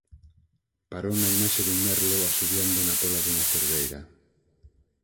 Parou na imaxe dun merlo asubiando na póla dunha cerdeira.